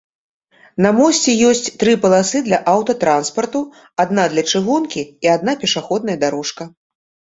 На мосце ёсць тры паласы для аўтатранспарту, адна для чыгункі і адна пешаходная дарожка.